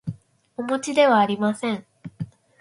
おもちではありません